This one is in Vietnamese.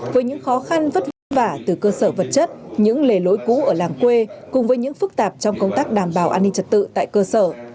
với những khó khăn vất vả từ cơ sở vật chất những lề lối cũ ở làng quê cùng với những phức tạp trong công tác đảm bảo an ninh trật tự tại cơ sở